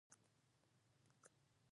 مالګه په مېچن کې اوړه و اوبه شوه.